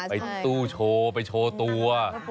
ตู้โชว์ไปโชว์ตัว